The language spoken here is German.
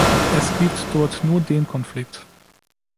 Es gibt dort nur den Konflikt.